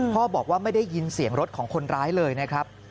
บอกว่าไม่ได้ยินเสียงรถของคนร้ายเลยนะครับ